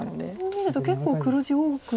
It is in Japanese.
こう見ると結構黒地多く。